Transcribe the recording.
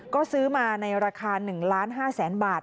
ก็ซื้อมาในราคา๑๕๐๐๐๐บาท